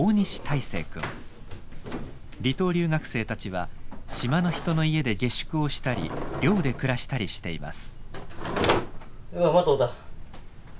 離島留学生たちは島の人の家で下宿をしたり寮で暮らしたりしています。